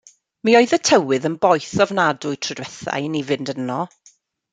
Mi oedd y tywydd yn boeth ofnadwy tro dwytha i ni fynd yno.